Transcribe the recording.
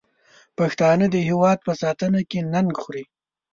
پښتانه د هېواد په ساتنه کې ننګ خوري.